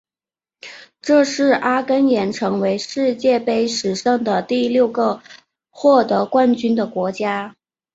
这是阿根廷成为世界杯史上的第六个获得冠军的国家。